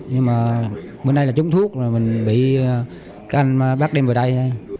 nhưng mà bên đây là chống thuốc mình bị các anh bác đem về đây